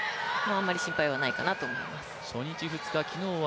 あまり心配はないかと思います。